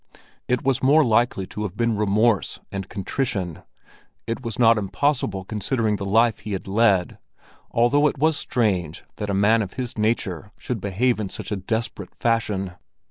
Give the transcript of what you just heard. It was more likely to have been remorse and contrition; it was not impossible considering the life he had led, although it was strange that a man of his nature should behave in such a desperate fashion.